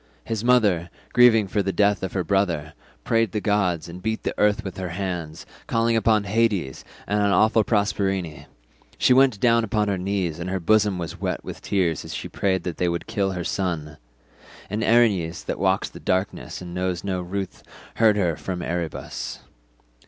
His mother, grieving for the death of her brother, prayed the gods, and beat the earth with her hands, calling upon Hades and on awful Proserpine; she went down upon her knees and her bosom was wet with tears as she prayed that they would kill her son—and Erinys that walks in darkness and knows no ruth heard her from Erebus.